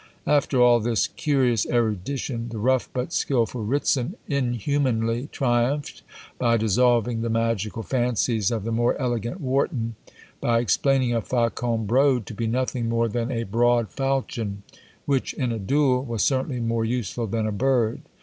After all this curious erudition, the rough but skilful Ritson inhumanly triumphed by dissolving the magical fancies of the more elegant Warton, by explaining a Faucon brode to be nothing more than a broad faulchion, which, in a duel, was certainly more useful than a bird.